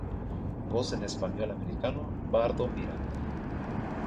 Voz en español americano: Bardo Miranda.